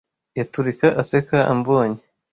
Yaturika aseka ambonye.